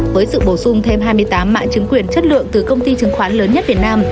với sự bổ sung thêm hai mươi tám mã chứng quyền chất lượng từ công ty chứng khoán lớn nhất việt nam